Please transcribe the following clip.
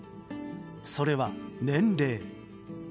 それは年齢。